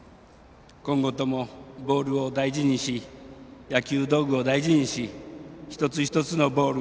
今後とも、ボールを大事にし野球道具を大事にし一つ一つのボール。